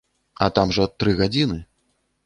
А там жа тры гадзіны.